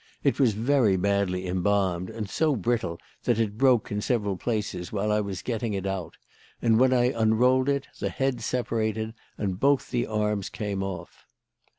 It was very badly embalmed, and so brittle that it broke in several places while I was getting it out; and when I unrolled it the head separated and both the arms came off.